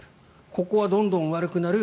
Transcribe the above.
ここはどんどん悪くなる。